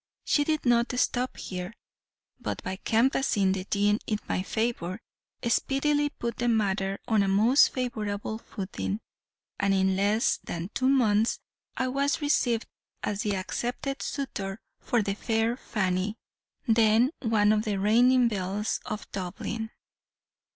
She did not stop here; but by canvassing the dean in my favor, speedily put the matter on a most favorable footing, and in less than two months I was received as the accepted suitor of the fair Fanny, then one of the reigning belles of Dublin.